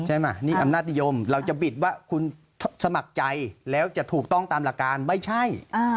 ใช่ไหมนี่อำนาจนิยมเราจะบิดว่าคุณสมัครใจแล้วจะถูกต้องตามหลักการไม่ใช่